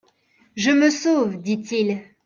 Je me sauve, dit-il.